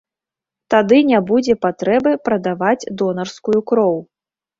Тады не будзе патрэбы прадаваць донарскую кроў.